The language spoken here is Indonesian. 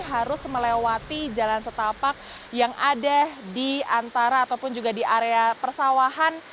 harus melewati jalan setapak yang ada di antara ataupun juga di area persawahan